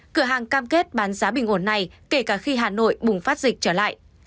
cửa hàng cam kết bán giá bình ổn này kể cả khi hà nội bùng phát dịch trở lại